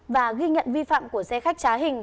và ghi nhận vi phạm của xe khách trá hình